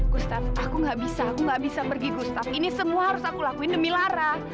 gustaf aku gak bisa aku gak bisa pergi gustaf ini semua harus aku lakuin demi lara